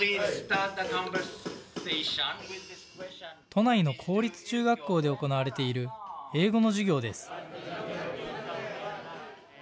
都内の公立中学校で行われている英語の授業です。